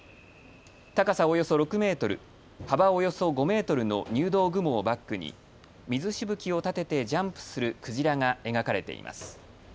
高さおよそ６メートル、幅およそ５メートルの入道雲をバックに水しぶきを立ててジャンプするクジラが描かれています。